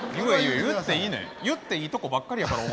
言っていいとこばっかりやから。